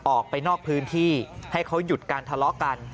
ออกไปนอกพื้นที่ให้เขาหยุดการทะเลาะกัน